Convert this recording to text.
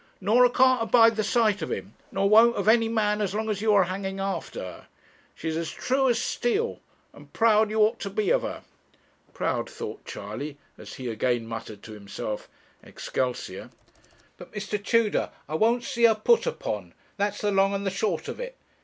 'Norah can't abide the sight of him; nor won't of any man as long as you are hanging after her. She's as true as steel, and proud you ought to be of her.' Proud, thought Charley, as he again muttered to himself, 'Excelsior!' 'But, Mr. Tudor, I won't see her put upon; that's the long and the short of it.